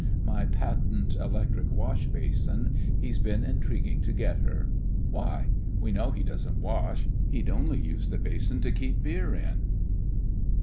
— my patent electric wash basin he's been intriguin' to get her. Why? We know he doesn't wash. He'd only use the basin to keep beer in."